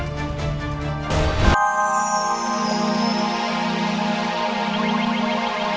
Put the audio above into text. aku yakin dia masih ada di sekitar sini